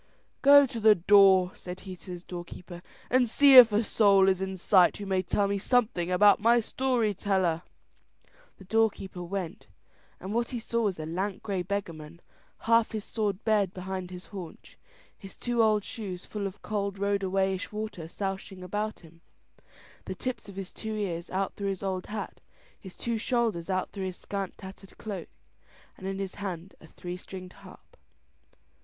"Go to the door," said he to his doorkeeper, "and see if a soul is in sight who may tell me something about my story teller." The doorkeeper went, and what he saw was a lank grey beggarman, half his sword bared behind his haunch, his two old shoes full of cold road a wayish water sousing about him, the tips of his two ears out through his old hat, his two shoulders out through his scant tattered cloak, and in his hand a three stringed harp.